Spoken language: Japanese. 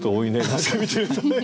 確かに見てると何か。